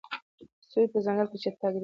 سوی په ځنګل کې چټک دی.